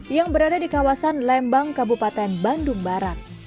yang berada di kawasan lembang kabupaten bandung barat